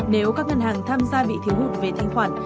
nếu các ngân hàng tham gia bị thiếu hụt về thanh khoản